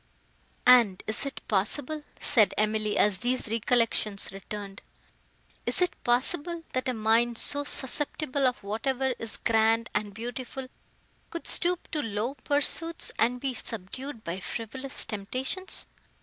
"And is it possible," said Emily, as these recollections returned—"is it possible, that a mind, so susceptible of whatever is grand and beautiful, could stoop to low pursuits, and be subdued by frivolous temptations?"